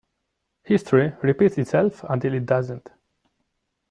History repeats itself until it doesn't.